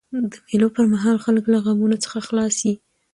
د مېلو پر مهال خلک له غمونو څخه خلاص يي.